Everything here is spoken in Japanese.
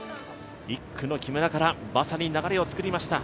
１区の木村から、まさに流れを作りました。